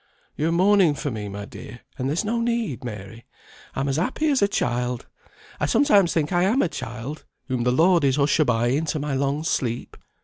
"Yo're mourning for me, my dear; and there's no need, Mary. I'm as happy as a child. I sometimes think I am a child, whom the Lord is hushabying to my long sleep.